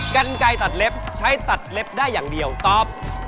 กันใจตัดเล็บใช้ตัดเล็บได้อย่างเดียวตอบ